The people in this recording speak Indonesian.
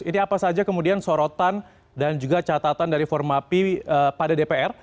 ini apa saja kemudian sorotan dan juga catatan dari formapi pada dpr